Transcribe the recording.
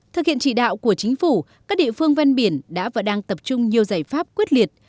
thực hiện trị đạo của chính phủ các địa phương ven biển đã và đang tập trung nhiều giải pháp quyết liệt